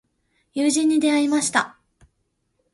友人に出会いました。